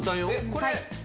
これ。